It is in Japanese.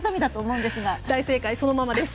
大正解、そのままです。